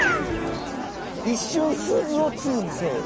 一瞬すずを２にせえよ。